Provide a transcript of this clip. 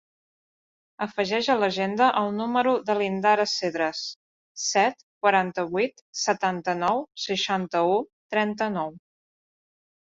Afegeix a l'agenda el número de l'Indara Cedres: set, quaranta-vuit, setanta-nou, seixanta-u, trenta-nou.